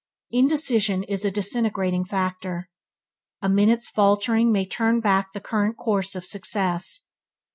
Indecision is a disintegrating factor. A minute's faltering may turn back the current of success.